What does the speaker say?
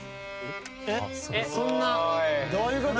・そんなどういうこと？